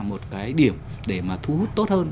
một cái điểm để mà thu hút tốt hơn